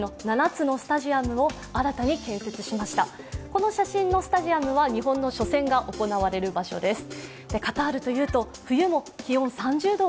この写真のスタジアムは日本の初戦が行われる場所です。